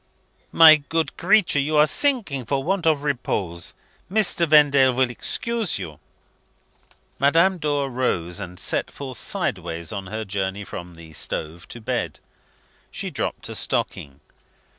"My good creature, you are sinking for want of repose. Mr. Vendale will excuse you." Madame Dor rose, and set forth sideways on her journey from the stove to bed. She dropped a stocking.